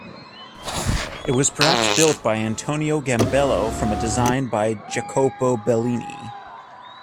It was perhaps built by Antonio Gambello from a design by Jacopo Bellini.